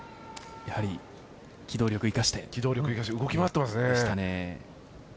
やはり機動力を生かして動き回っていますね。